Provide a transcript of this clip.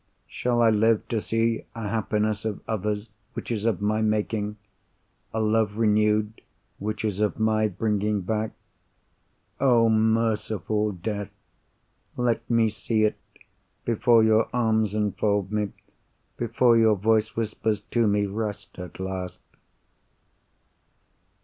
Shall I live to see a happiness of others, which is of my making—a love renewed, which is of my bringing back? Oh merciful Death, let me see it before your arms enfold me, before your voice whispers to me, "Rest at last!"